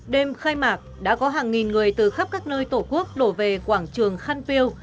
đêm khai mạc đã có hàng nghìn người từ khắp các nơi tổ quốc đổ về quảng trường khăn piêu